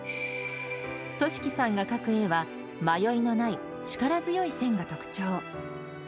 稔揮さんが描く絵は、迷いのない力強い線が特徴。